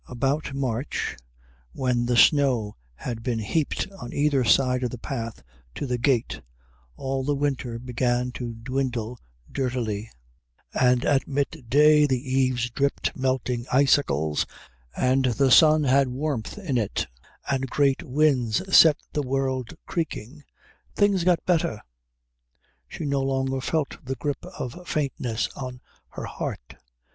About March, when the snow that had been heaped on either side of the path to the gate all the winter began to dwindle dirtily, and at midday the eaves dripped melting icicles, and the sun had warmth in it, and great winds set the world creaking, things got better. She no longer felt the grip of faintness on her heart.